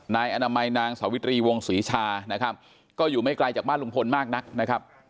นายอนามัยนางสาวิตรีวงศรีชานะครับก็อยู่ไม่ไกลจากบ้านลุงพลมากนักนะครับ